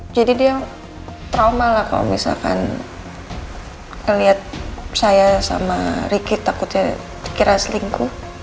jadi dia trauma lah kalau misalkan liat saya sama riki takutnya dikira selingkuh